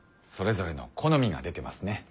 それぞれの好みが出てますね。